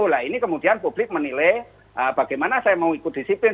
nah ini kemudian publik menilai bagaimana saya mau ikut disiplin